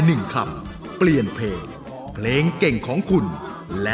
รายการต่อปีนี้เป็นรายการทั่วไปสามารถรับชมได้ทุกวัย